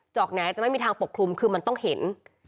อกแหนจะไม่มีทางปกคลุมคือมันต้องเห็น